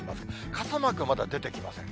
傘マークはまだ出てきません。